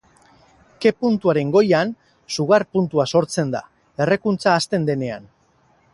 Ke-puntuaren goian, sugar-puntua sortzen da, errekuntza hasten denean.